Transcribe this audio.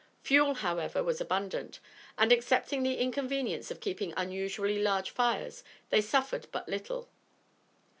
Fuel, however, was abundant, and, excepting the inconvenience of keeping unusually large fires, they suffered but little.